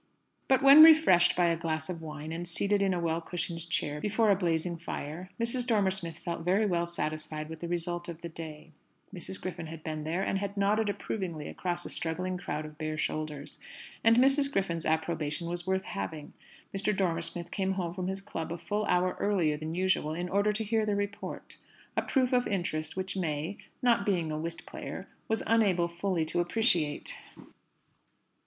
But when refreshed by a glass of wine, and seated in a well cushioned chair before a blazing fire, Mrs. Dormer Smith felt very well satisfied with the result of the day. Mrs. Griffin had been there, and had nodded approvingly across a struggling crowd of bare shoulders; and Mrs. Griffin's approbation was worth having. Mr. Dormer Smith came home from his club a full hour earlier than usual, in order to hear the report a proof of interest which May, not being a whist player, was unable fully to appreciate.